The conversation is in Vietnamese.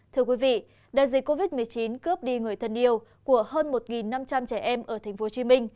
thưa quý vị đại dịch covid một mươi chín cướp đi người thân yêu của hơn một năm trăm linh trẻ em ở tp hcm